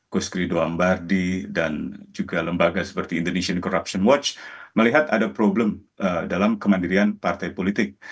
gus rido ambardi dan juga lembaga seperti indonesian corruption watch melihat ada problem dalam kemandirian partai politik